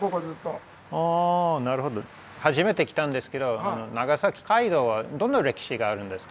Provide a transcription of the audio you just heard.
初めて来たんですけど長崎街道はどんな歴史があるんですか？